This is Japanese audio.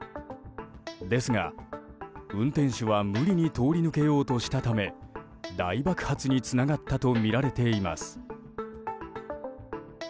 ですが、運転手は無理に通り抜けようとしたため大爆発につながったとみられています。